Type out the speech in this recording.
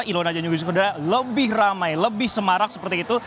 ilona janjungi saudara lebih ramai lebih semarak seperti itu